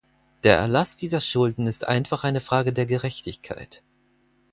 Der Erlass dieser Schulden ist einfach eine Frage der Gerechtigkeit.